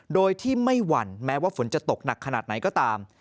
โดยที่ไม่หวั่นแม้ว่าฝนจะตกหนักขนาดไหนก็ตาม